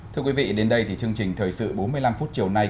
thưa quý vị đến đây thì chương trình thời sự bốn mươi năm phút chiều nay